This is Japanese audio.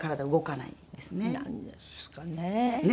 なんですってね。